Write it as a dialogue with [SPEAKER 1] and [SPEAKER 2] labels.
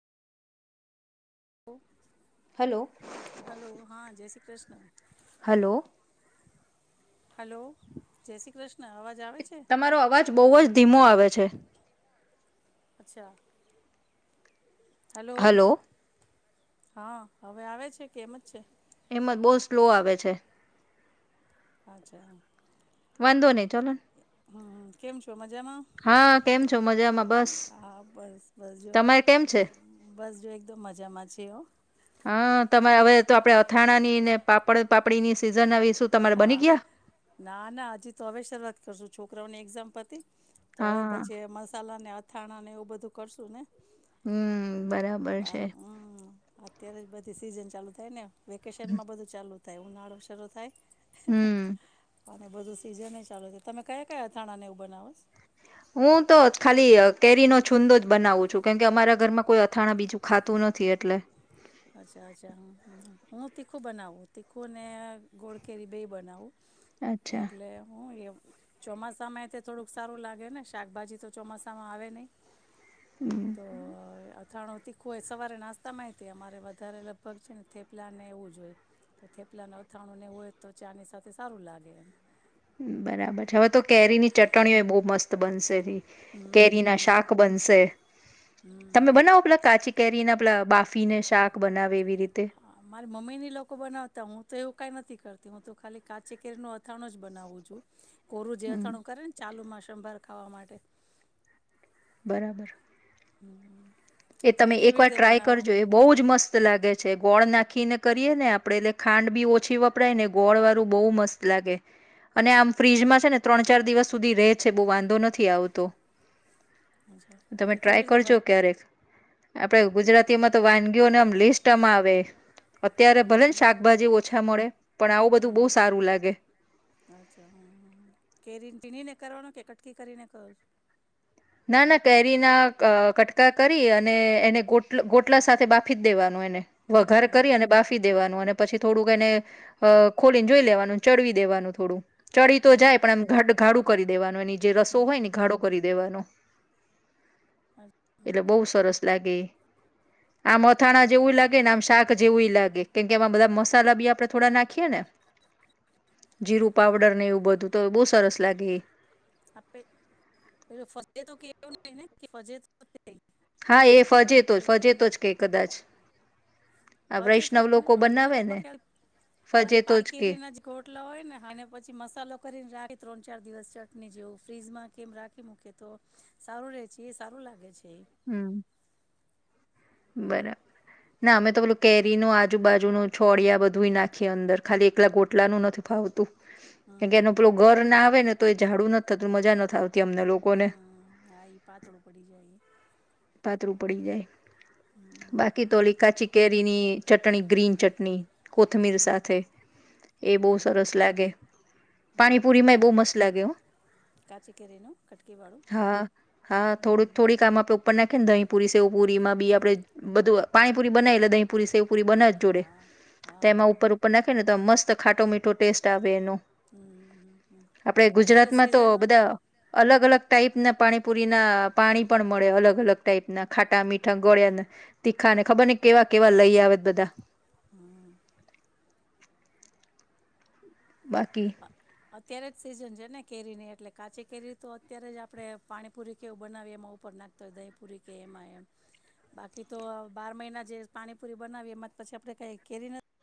[SPEAKER 1] ઓ.
[SPEAKER 2] Hello
[SPEAKER 1] hello હા જય Shri Krishna. [inaudible]
[SPEAKER 2] Hello.
[SPEAKER 1] Hello જય શ્રી કૃષ્ણ. અવાજ આવે છે
[SPEAKER 2] તમારો અવાજ બઉ જ ધીમો આવે છે.
[SPEAKER 1] અચ્છા. હેલો.
[SPEAKER 2] હલો
[SPEAKER 1] હા, હવે આવે છે કે એમ જ છે?
[SPEAKER 2] એમ જ બો સ્લો આવે છે.
[SPEAKER 1] અચ્છા.
[SPEAKER 2] વાંધો નહી. ચલે
[SPEAKER 1] હમ્મ કેમ છો મ જેમા.
[SPEAKER 2] કેમ છો મજામાં બસ
[SPEAKER 1] હા, બસ બસ જો
[SPEAKER 2] તમારે કેમ છે
[SPEAKER 1] બસ જો એક મજામાં છે હ.
[SPEAKER 2] હા, તમારે હવે તો આપણે અથાણા ની ને પાપડ પાપડીની સિઝન આવી છે.
[SPEAKER 1] હા, ના ના હજી તો હવે શરૂઆત કરશું છોકરાઓને એક્ઝામપત તી તો હવે
[SPEAKER 2] હા
[SPEAKER 1] પછી એ મસાલા ને અથાણા ને એવું બધું કરશું ને?
[SPEAKER 2] હમ્મ બરાબર
[SPEAKER 1] બાર
[SPEAKER 2] છે.
[SPEAKER 1] હમ અત્યારે જ બધી સીઝન ચાલુ થાય ને વેકેશનમાં બધું ચાલુ તઈ ઉનાળું શરૂ થાય.
[SPEAKER 2] હમ્મ.
[SPEAKER 1] અને બધું સીઝન એ ચાલુ છે. તમે કયા કયા અથાણા ને એવું બનાવો સો.
[SPEAKER 2] હું તો ખાલી કેરીનો છુંંદો જ બનાવું છું કેમકે અમારા ઘરમાં કોઈ અથાણા બીજું ખાતું નથી એટલે.
[SPEAKER 1] અચ્છા અચ્છા હું તીખું બનાવું તીખું ને ગોળ કેરી બે બનાવું.
[SPEAKER 2] અચ્છા
[SPEAKER 1] એટલે હું ચોમાસામાં એ તો થોડુંક સારું લાગે ને શાકભાજી તો ચોમાસામાં આવે નય. તો અથાણું તીખું હોય સવારે નાસ્તા માય તે અમારે વધારે લગભગ છે ને થેપલા ને એવું જ હોય તો થેપલા ના અથાણું ને હોય તો ચાની સાથે સારું લાગે એમ.
[SPEAKER 2] બરાબર છે, હવે તો કેરી ની ચટણીઓ એ બો મસ્ત બનશે એની.
[SPEAKER 1] હમ
[SPEAKER 2] કેરી ના
[SPEAKER 1] હમ
[SPEAKER 2] શાક બનશે
[SPEAKER 1] હમ
[SPEAKER 2] તમે બનાવો પેલા કાચી કેરીના પલા બાફી ને શાક બનાવે એવી રીતે
[SPEAKER 1] મારી મમ્મી ની લોકો બનાવતા. હું તો એવું કઈ નથી હું તો ખાલી કાચી કેરીનુ અથાણું જ બનાવું છું. કોરું જે
[SPEAKER 2] હમ
[SPEAKER 1] અથાણું કરે ને ચાલુ મા બાર ખાવા માટે.
[SPEAKER 2] બરાબર. !
[SPEAKER 1] હમ. [inaudible]
[SPEAKER 2] એ તમે એક
[SPEAKER 1] કેવી
[SPEAKER 2] વાર
[SPEAKER 1] રીતે
[SPEAKER 2] ટ્રાય
[SPEAKER 1] બનાવો
[SPEAKER 2] કરજો, એ બહુ જ મસ્ત લાગે છે. તે ગોળ નાખીને કરીએ ને, આપડે એટલે ખાંડ બી ઓછી વપરાય ને ગોળવાળુ બહુ મસ્ત લાગે. અને આમ ફ્રીજ મા છે ને ત્રણ ચાર દિવસ સુધી રે છે. બહું વાંધો નથી આવતો.
[SPEAKER 1] અચ્છા
[SPEAKER 2] તમે,
[SPEAKER 1] એટલે કેવી
[SPEAKER 2] ટ્રાય
[SPEAKER 1] રીતે
[SPEAKER 2] કરજો
[SPEAKER 1] બનાવી
[SPEAKER 2] ક્યારેક. આપડે ગુજરાતીમાં તો, વાનગીઓના આમ લિસ્ટ આવે. અત્યારે
[SPEAKER 1] હમ
[SPEAKER 2] ભલે ને
[SPEAKER 1] હમ
[SPEAKER 2] શાકભાજી ઓછા મળે, પણ આવું
[SPEAKER 1] હમ
[SPEAKER 2] બધું બહુ
[SPEAKER 1] હમ
[SPEAKER 2] સારું લાગે.
[SPEAKER 1] અચ્છા હમ હમ કેરીને છીણીને કરવાનો કે, કટકી કરીને કરો છો
[SPEAKER 2] ના ના કેરીના કટકા કરી. અને એને ગોટ ગોટલા સાથે બાફી જ દેવાનું એને.
[SPEAKER 1] હમ
[SPEAKER 2] વઘાર
[SPEAKER 1] હમ હમ
[SPEAKER 2] કરી અને બાફી દેવાનું, અને પછી થોડુંક એને અ ખોલીને જોઈ લેવાનું, ચડવી દેવાનું થોડું. ચડી તો જાય.
[SPEAKER 1] હમ
[SPEAKER 2] પણ એમ ઘટઘાડુ કરી દેવાનું. એ જે રસો
[SPEAKER 1] હમ
[SPEAKER 2] હોય ને ઘાડો કરી દ દેવાનું. એટલે બોવ સરસ લાગે, આમ અથાણા જેવું લાગે ને આમ શાક જેવું ઈ લાગે. કેમકે એમાં બધા મસાલા બી આપડે થોડા નાખીએ ને. જીરું
[SPEAKER 1] હા
[SPEAKER 2] પાવડર ને એવું બધું તો બોવ સરસ લાગે.
[SPEAKER 1] આપણે, પેલો ફજેતો કૈ એવું નહીને કે ફજેતો તે.
[SPEAKER 2] હા એ ફજેતો જ
[SPEAKER 1] જોકે
[SPEAKER 2] ફજેતો જ કે
[SPEAKER 1] હા
[SPEAKER 2] કદાચ
[SPEAKER 1] એ ફજેતો ફજેતો
[SPEAKER 2] આ
[SPEAKER 1] ફજેતો
[SPEAKER 2] વૈષ્ણવ
[SPEAKER 1] કેયને
[SPEAKER 2] લોકો
[SPEAKER 1] એ
[SPEAKER 2] બનાવે ને
[SPEAKER 1] લગભગ યાદ છે.
[SPEAKER 2] ફજેતો
[SPEAKER 1] પાકેલી
[SPEAKER 2] જ કે
[SPEAKER 1] કેરી ના જ ગોટલા હોય ને પછી મસાલો કરીને રાય ત્રણ ચાર દિવસ [inaudible] આપને જેવું ફ્રીજમાં કે એમ રાખી મૂકે તો, સારું રે છે, એ સારું લાગે છે. એ
[SPEAKER 2] હમ. બરાબર! ના અમે તો પેલું, કેરીનું આજુબાજુ નું છોડિયા બધું નાખીએ અંદર, ખાલી એકલા ગોટલાનું નથી ફાવતું.
[SPEAKER 1] હમ
[SPEAKER 2] કેમ કે,
[SPEAKER 1] હમ
[SPEAKER 2] એનું પેલું ગર ના આવે ને તો એ ઝાડું નથ થતું. મજા નથ આવતી અમને લોકોને
[SPEAKER 1] હમ હા એ પાતળું પડી જાય.
[SPEAKER 2] પાતરું પડી જાય. [inaudible]
[SPEAKER 1] હમ
[SPEAKER 2] બાકી તો, ઓલી કાચી કેરીની ચટણી ગ્રીન ચટની. કોથમીર
[SPEAKER 1] હમ
[SPEAKER 2] સાથે એ બોવ સરસ લાગે.
[SPEAKER 1] હમ
[SPEAKER 2] પાણીપુરી માય બહુ મસ્ત લાગે હો,
[SPEAKER 1] કાચી કેરીનું કટકી વાળું
[SPEAKER 2] હા હા
[SPEAKER 1] હમ
[SPEAKER 2] થોડીક થોડીક આમા તો ઉપર નાંખે ને દહીં પુરી, સેવ પુરી એમાં બી આપડે બધું પાણીપુરી બનાવી લે દહીં પુરી, સેવ પુરી બને જ જોડે.
[SPEAKER 1] હા
[SPEAKER 2] તો
[SPEAKER 1] હા
[SPEAKER 2] તેમાં
[SPEAKER 1] હા
[SPEAKER 2] ઉપર ઉપર નાંખે ને તો મસ્ત ખાટો મીઠો ટેસ્ટ આવે એનો.
[SPEAKER 1] હમ હમ હમ
[SPEAKER 2] આપડે
[SPEAKER 1] અત્યારે
[SPEAKER 2] ગુજરાતમાં તો
[SPEAKER 1] સિઝનમાં
[SPEAKER 2] બધા અલગ-અલગ ટાઈપ ના પાણીપુરી ના પાણી પણ મળે અલગ-અલગ ટાઈપના ખાટા-મીઠા ગળ્યા તીખા ને ખબર ને કેવા કેવા લઈ આવે બધા.
[SPEAKER 1] [inaudible]
[SPEAKER 2] બાકી
[SPEAKER 1] અત્યારે જ સિઝન છે ને કેરીની એટલે કાચી કેરી તો અત્યારે જ આપડે પાણીપુરી કેવું બનાવીએ એમાં ઉપર નાખતા હોય દહીં પૂરી કે એમાં એમ. બાકી તો આ બાર મહિને જે પાની પૂરી બનાવીએ એમાં પછી આપડે કઈ કેરી નત